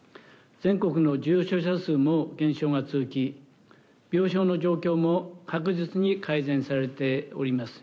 全国の重症者数も減少が続き病床の状況も確実に改善されております。